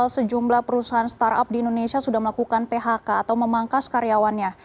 sejumlah perusahaan startup di indonesia sudah melakukan phk atau memangkas karyawannya